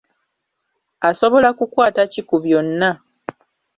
Asobola kukwata ki ku byonna?